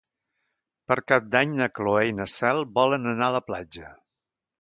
Per Cap d'Any na Cloè i na Cel volen anar a la platja.